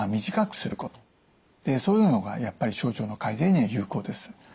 そういうのがやっぱり症状の改善には有効です。